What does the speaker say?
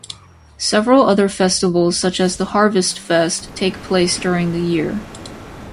Several other festivals, such as the Harvest Fest, take place during the year.